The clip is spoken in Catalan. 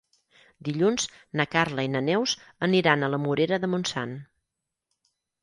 Dilluns na Carla i na Neus aniran a la Morera de Montsant.